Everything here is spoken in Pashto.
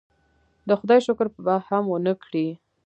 د خدای شکر به هم ونه کړي.